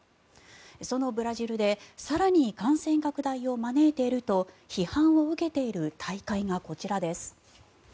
そのブラジルで更に感染拡大を招いていると批判を受けている大会がこちらです。